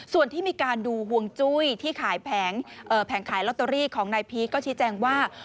ส่วนที่มีการดูหวงจุ้ยที่ขายแผงแผงขายลอตตอรีก็แจ้งว่า